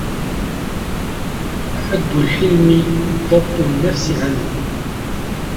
وَحَدُ الْحِلْمِ ضَبْطُ النَّفْسِ عَنْ